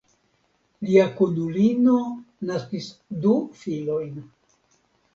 Lia kunulino naskis du filojn.